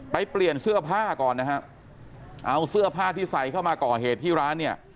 เปลี่ยนเสื้อผ้าก่อนนะฮะเอาเสื้อผ้าที่ใส่เข้ามาก่อเหตุที่ร้านเนี่ย